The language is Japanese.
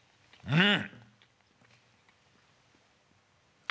うん。